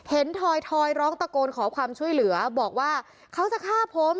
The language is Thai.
ทอยร้องตะโกนขอความช่วยเหลือบอกว่าเขาจะฆ่าผม